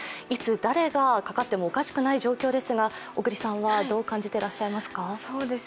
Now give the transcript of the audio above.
いつ、誰がかかってもおかしくない状況ですが、小栗さんはどう感じていらっしゃいますか？